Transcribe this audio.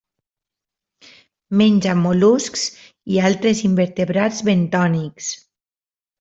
Menja mol·luscs i d'altres invertebrats bentònics.